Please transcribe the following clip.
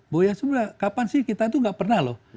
boya sudah kapan sih kita itu nggak pernah loh